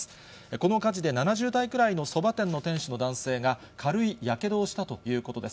この火事で７０代くらいのそば店の店主の男性が軽いやけどをしたということです。